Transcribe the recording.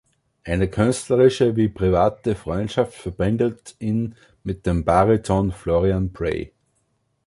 Eine künstlerische wie private Freundschaft verbindet ihn mit dem Bariton Florian Prey.